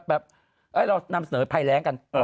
อานสิอานสิอานอาน